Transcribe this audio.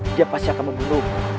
dia pasti akan membunuhmu